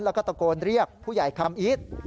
แล้วก็ตะโกนเรียกผู้ใหญ่คำอีท